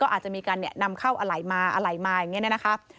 อาจจะมีการนำเข้าอะไหลมาอะไรมาอย่างนี้นะครับ